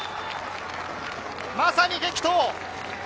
まさに激闘。